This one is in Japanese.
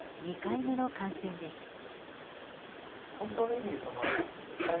２回目の感染です。